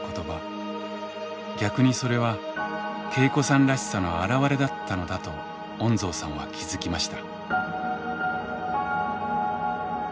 逆にそれは恵子さんらしさの表れだったのだと恩蔵さんは気付きました。